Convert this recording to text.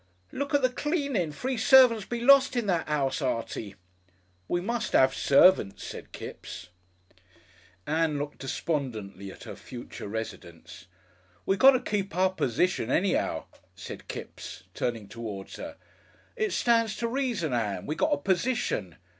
"Look at the cleanin'. Free servants'll be lost in that 'ouse, Artie." "We must 'ave servants," said Kipps. Ann looked despondently at her future residence. "We got to keep up our position, any'ow," said Kipps, turning towards her. "It stands to reason, Ann, we got a position.